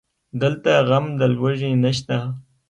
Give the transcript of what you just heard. دلته غم د لوږې نشته